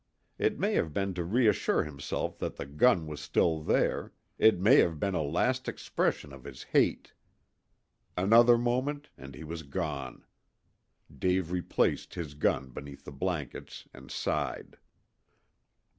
It may have been to reassure himself that the gun was still there, it may have been a last expression of his hate. Another moment and he was gone. Dave replaced his gun beneath the blankets and sighed.